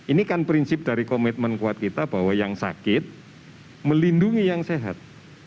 ini kan prinsip dari komitmen kuat kita bahwa yang sakit melindungi yang sehat